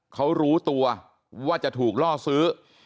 เขารู้ตัวว่าจะถูกล่อซื้อ